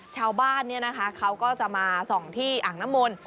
ชาวบ้านเนี่ยนะคะเขาก็จะมาส่องที่อ่างน้ำมนต์